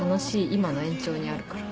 今の延長にあるから。